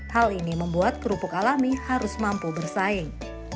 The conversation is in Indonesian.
hal ini membuat kerupuk alami harus mampu bersaing